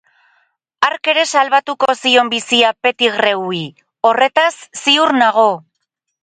Hark ere salbatuko zion bizia Pettigrewi, horretaz ziur nago.